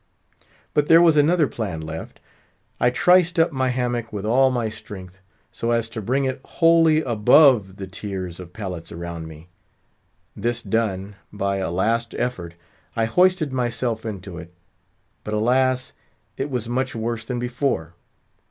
But there was another plan left. I triced up my hammock with all my strength, so as to bring it wholly above the tiers of pallets around me. This done, by a last effort, I hoisted myself into it; but, alas! it was much worse than before.